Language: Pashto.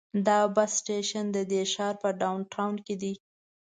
دا بس سټیشن د دې ښار په ډاون ټاون کې دی.